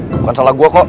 bukan salah gua kok